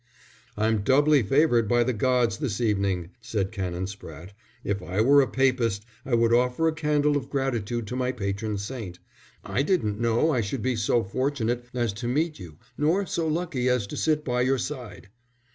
"I'm doubly favoured by the gods this evening," said Canon Spratte. "If I were a Papist I would offer a candle of gratitude to my patron saint. I didn't know I should be so fortunate as to meet you nor so lucky as to sit by your side."